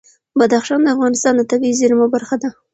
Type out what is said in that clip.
بدخشان د افغانستان د طبیعي زیرمو برخه ده.